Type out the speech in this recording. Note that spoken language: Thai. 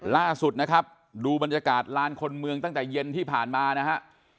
ล่าสุดนะครับดูบรรยากาศลานคนเมืองตั้งแต่เย็นที่ผ่านมานะฮะ